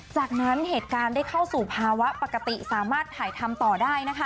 จากนั้นเหตุการณ์ได้เข้าสู่ภาวะปกติสามารถถ่ายทำต่อได้นะคะ